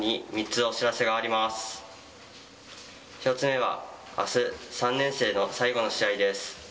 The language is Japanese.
１つ目はあす、３年生の最後の試合です。